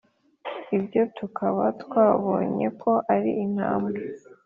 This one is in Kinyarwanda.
ibyo tukaba twabonyeko ari intambwe